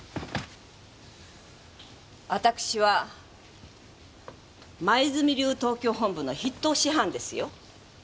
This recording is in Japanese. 私は黛流東京本部の筆頭師範ですよ？